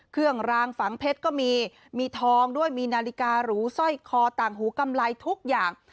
เครื่องรางฝังเพชรก็มีมีทองด้วยมีนาฬิการูสร้อยคอต่างหูกำไรทุกอย่าง